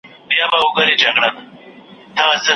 شیخ دي نڅیږي پر منبر، منصور پر دار ختلی